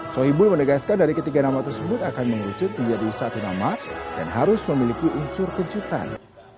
sohibul menegaskan dari ketiga nama tersebut akan mengerucut menjadi satu nama dan harus memiliki unsur kejutan